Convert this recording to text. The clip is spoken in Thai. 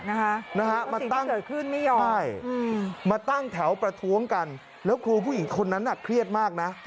นะฮะมาตั้งใช่มาตั้งแถวประท้วงกันแล้วครูผู้หญิงคนนั้นน่ะเครียดมากนะ